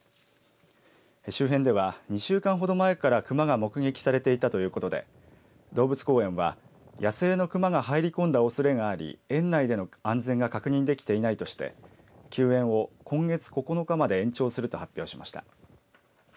周辺では２週間ほど前から熊が目撃されていたということで動物公園は野生の熊が入り込んだおそれがあり園内での安全が確認できていないとして休園を今月９日まで延長すると発表しました。